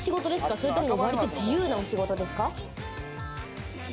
それとも割と自由なお仕事ですか？